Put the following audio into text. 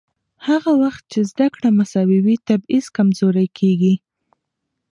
هغه وخت چې زده کړه مساوي وي، تبعیض کمزورې کېږي.